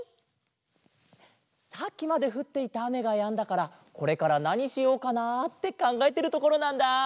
さっきまでふっていたあめがやんだからこれからなにしようかなあってかんがえてるところなんだあ。